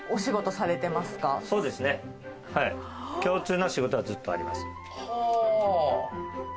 共通の仕事はずっとあります。